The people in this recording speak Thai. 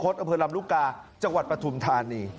กระเภทรลำลูกกา